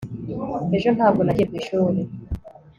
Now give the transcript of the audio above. ejo ntabwo nagiye ku ishuri